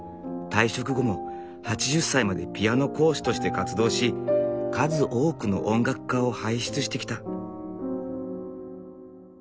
退職後も８０歳までピアノ講師として活動し数多くの音楽家を輩出してきた。